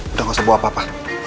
udah gak usah bawa apa apa